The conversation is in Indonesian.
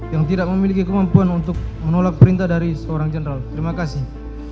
yang tidak memiliki kemampuan untuk menolak perintah dari seorang general terima kasih